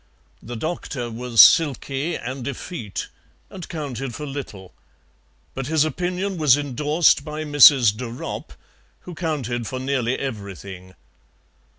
The doctor was silky and effete, and counted for little, but his opinion was endorsed by Mrs. de Ropp, who counted for nearly everything.